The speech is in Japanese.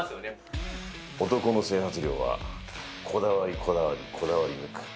男の整髪料はこだわり、こだわり、こだわり抜く。